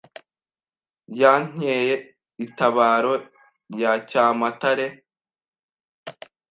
Ya Nkey’itabaro ya Cyamatare